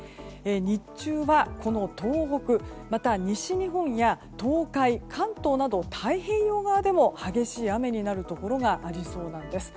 日中はこの東北また西日本や東海、関東など太平洋側でも激しい雨になるところがありそうなんです。